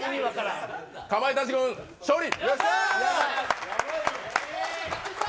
かまいたち軍、勝利。